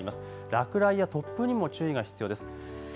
落雷や突風にも注意が必要です。